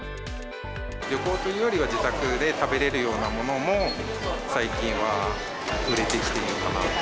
旅行というよりは、自宅で食べれるようなものも、最近は売れてきているのかなと。